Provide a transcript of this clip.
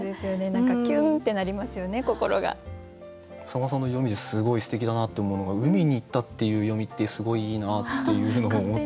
坂本さんの読みですごいすてきだなって思うのが「海に行った」っていう読みってすごいいいなっていうふうに思って。